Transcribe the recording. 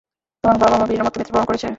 তোমার বাবা-মা বীরের মতো মৃত্যুবরণ করেছে।